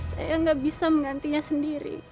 saya nggak bisa menggantinya sendiri